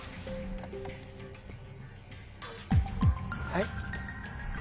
はい。